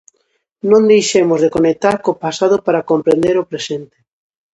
Non deixemos de conectar co pasado para comprender o presente.